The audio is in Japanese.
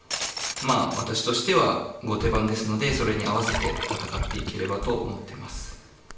まあ私としては後手番ですのでそれに合わせて戦っていければと思ってます。